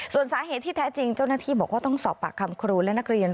ส่วนสาเหตุที่แท้จริงเจ้าหน้าที่บอกว่าต้องสอบปากคำครูและนักเรียน